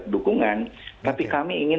dukungan tapi kami ingin